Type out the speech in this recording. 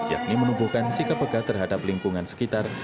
yakni menumbuhkan sikap pegah terhadap lingkungan sekitar